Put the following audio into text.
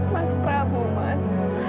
mas prabu mas